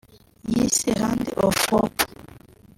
yise ‘’Hand Of Hope’’